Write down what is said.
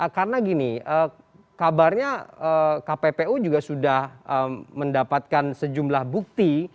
karena gini kabarnya kppu juga sudah mendapatkan sejumlah bukti